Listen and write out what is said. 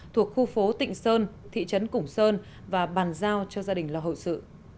thuộc khu phố tịnh sơn thị trấn củng sơn và bàn giao cho gia đình lo hậu sự